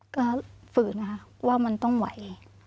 ก็ฝืนว่ามันต้องไหว